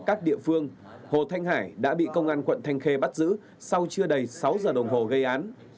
các địa phương hồ thanh hải đã bị công an quận thanh khê bắt giữ sau chưa đầy sáu giờ đồng hồ gây án